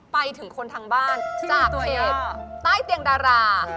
ไปถึงคนทางบ้านจากเพจใต้เตียงดารา